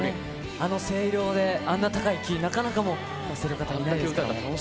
あの声量で、あんな高いキー、なかなかもう出せる方いないですからね。